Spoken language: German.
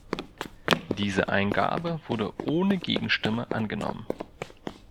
Diese Eingabe wurde ohne Gegenstimme angenommen.